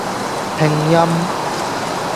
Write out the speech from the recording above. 拼音